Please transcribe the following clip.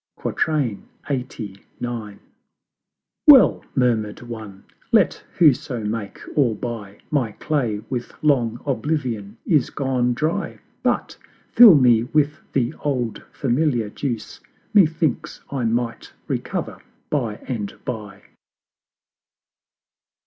LXXXIX. "Well," murmured one, "Let whoso make or buy, My Clay with long Oblivion is gone dry: But fill me with the old familiar Juice, Methinks I might recover by and by."